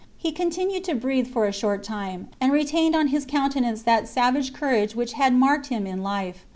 He contitiued to breathe for a short time, and retained on his countenance that savage courage which had marked him in life.